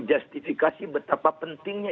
justifikasi betapa pentingnya